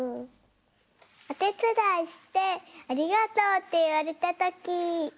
おてつだいして「ありがとう」っていわれたとき。